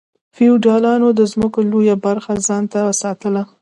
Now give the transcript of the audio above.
فیوډالانو د ځمکو لویه برخه ځان ته ساتله.